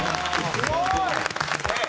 すごい！